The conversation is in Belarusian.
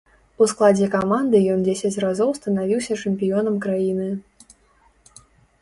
У складзе каманды ён дзесяць разоў станавіўся чэмпіёнам краіны.